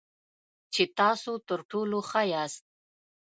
چې تاسو تر ټولو ښه یاست .